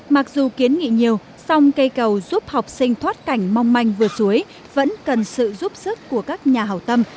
mặc dù kiến nghị nhiều song cây cầu giúp học sinh thoát cảnh mong manh vượt suối vẫn cần sự giúp sức của các nhà hào tâm